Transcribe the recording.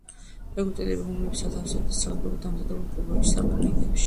ეგვიპტელები მუმიებს ათავსებდნენ საგანგებოდ დამზადებულ კუბოებში - სარკოფაგებში.